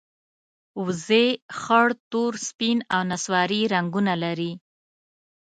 وزې خړ، تور، سپین او نسواري رنګونه لري